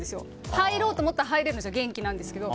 入ろうと思ったら入れるんですよ元気なんですけど。